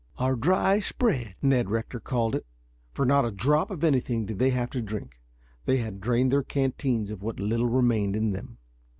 "Our dry spread," Ned Rector called it, for not a drop of anything did they have to drink. They had drained their canteens of what little remained in them.